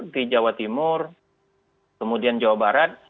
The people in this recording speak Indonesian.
di jawa timur kemudian jawa barat